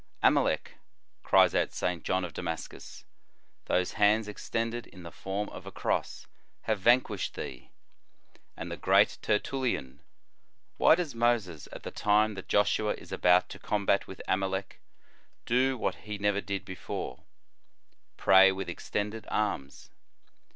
"Amalec," cries out St. John of Damascus, "those hands extended in the form of a Cross, have van quished thee !"f And the great Tertullian: "Why does Moses, at the time that Joshua is about to combat with Amalec, do what he never did before pray with extended arms?